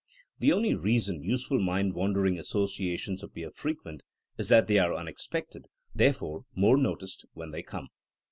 The only reason useful mind wandering associations appear frequent is that they are unexpected, therefore more no ticed when they come.